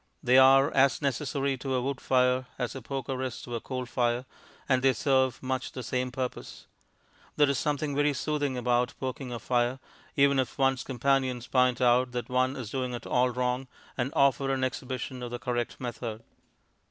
They are as necessary to a wood fire as a poker is to a coal fire, and they serve much the same purpose. There is something very soothing about poking a fire, even if one's companions point out that one is doing it all wrong, and offer an exhibition of the correct method.